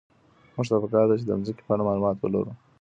موږ ته په کار ده چي د مځکي په اړه معلومات ولرو.